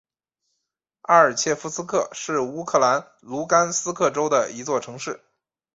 阿尔切夫斯克是乌克兰卢甘斯克州的一座城市。